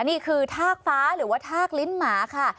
นี่คือทากฟ้าหรือว่าทากลิ้นหมาค่ะ